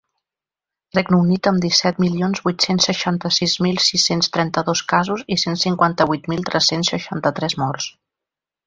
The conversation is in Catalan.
Regne Unit, amb disset milions vuit-cents seixanta-sis mil sis-cents trenta-dos casos i cent cinquanta-vuit mil tres-cents seixanta-tres morts.